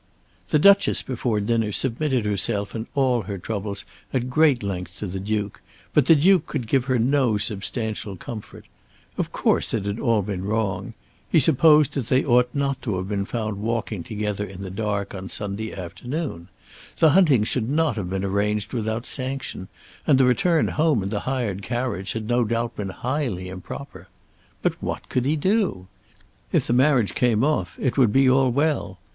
The Duchess before dinner submitted herself and all her troubles at great length to the Duke, but the Duke could give her no substantial comfort. Of course it had all been wrong. He supposed that they ought not to have been found walking together in the dark on Sunday afternoon. The hunting should not have been arranged without sanction; and the return home in the hired carriage had no doubt been highly improper. But what could he do? If the marriage came off it would be all well.